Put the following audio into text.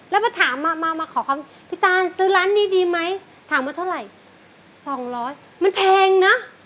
แล้วก็ถามมามาขอคำพี่ตานซื้อร้านนี้ดีไหมถามว่าเท่าไหร่สองร้อยมันแพงนะ